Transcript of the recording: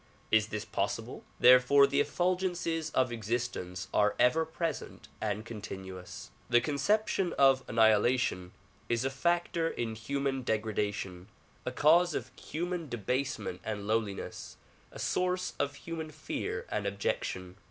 Is this possible? Therefore the effulgences of existence are ever present and continuous. The conception of annihilation is a factor in human degradation, a cause of human debasement and lowliness, a source of human fear and abjection.